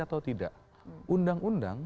atau tidak undang undang